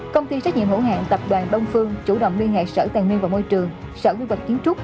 công ty trách nhiệm hữu hạng tập đoàn đông phương chủ động liên hệ sở tài nguyên và môi trường sở quy hoạch kiến trúc